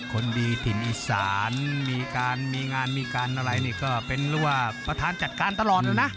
คนดีถิ่นอีสานมีงานอะไรนี่ก็เป็นรวบประธานจัดการตลอดแล้วนะ